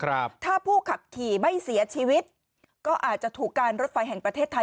ถ้าผู้ขับขี่ไม่เสียชีวิตก็อาจจะถูกการรถไฟแห่งประเทศไทย